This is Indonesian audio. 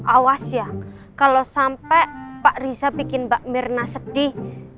awas ya kalau sampai pak riza bikin mbak mirna sedih